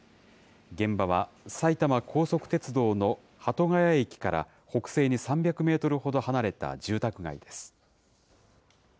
現場は、埼玉高速鉄道の鳩ヶ谷駅から北西に３００メートルほど離れた住宅街です。